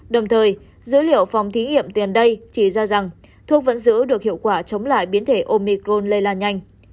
đồng thời dữ liệu phòng thí nghiệm tiền đây chỉ ra rằng thuốc vẫn giữ được hiệu quả chống lại biến thể omicron lây lan nhanh